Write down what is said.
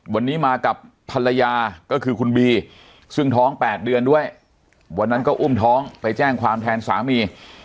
วันนี้มากับภรรยาก็คือคุณบีซึ่งท้อง๘เดือนด้วยวันนั้นก็อุ้มท้องไปแจ้งความแทนสามี